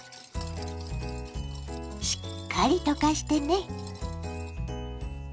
しっかり溶かしてね。